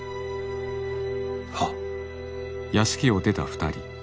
はっ。